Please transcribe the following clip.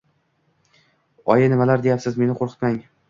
Oyi, nimalar deyapsiz, meni qo`rqitmang